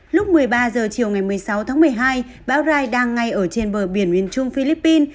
lúc một mươi ba h chiều ngày một mươi sáu tháng một mươi hai bão rai đang ngay ở trên bờ biển miền trung philippines